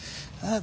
あ。